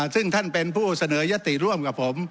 ซึ่งท่านเป็นผู้เสนอยติร่วมกับผม